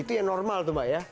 itu yang normal tuh mbak ya